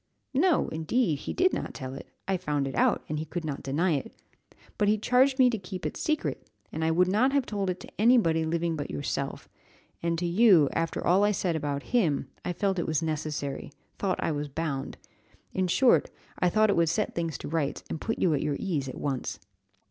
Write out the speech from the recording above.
"No, indeed, he did not tell it; I found it out, and he could not deny it; but he charged me to keep it secret, and I would not have told it to any body living but yourself; and to you, after all I said about him, I felt it was necessary thought I was bound in short, I thought it would set things to rights, and put you at your ease at once."